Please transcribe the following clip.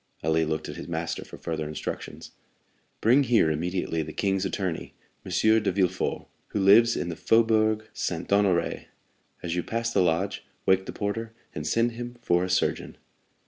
Ali looked at his master for further instructions. "Bring here immediately the king's attorney, M. de Villefort, who lives in the Faubourg Saint Honoré. As you pass the lodge, wake the porter, and send him for a surgeon."